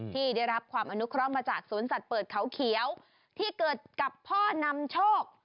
ที่ได้รับความอนุเคราะห์มาจากสวนสัตว์เปิดเขาเขียวที่เกิดกับพ่อนำโชค